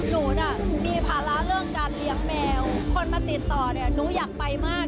หนูน่ะมีภาระเรื่องการเลี้ยงแมวคนมาติดต่อเนี่ยหนูอยากไปมาก